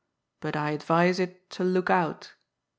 But I adyise it to look out.'